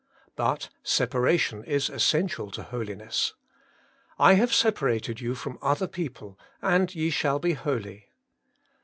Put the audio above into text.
But separation is essential to holiness. ' I have separated you from other people, and ye shall be holy.'